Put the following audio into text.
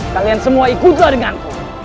kalian semua ikutlah denganku